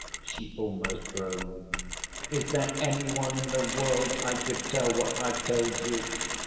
she almost groaned. "Is there any one in the world I could tell what I've told you?